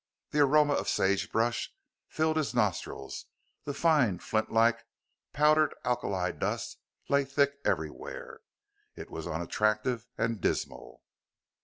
The aroma of sage brush filled his nostrils; the fine, flint like, powdered alkali dust lay thick everywhere. It was unattractive and dismal.